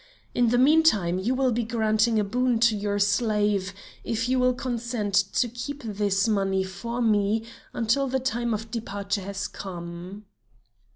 In the meantime you will be granting a boon to your slave, if you will consent to keep this money for me until the time for departure has come."